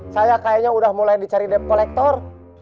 saya kayaknya udah mulai dicari dep kolektor